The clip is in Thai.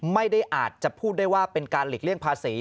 ไม่ได้อาจจะพูดได้ว่าเป็นการหลีกเลี่ยงภาษี